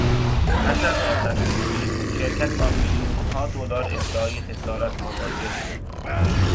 پس از آتش سوزی شرکت با میلیونها دلار ادعای خسارت مواجه شد.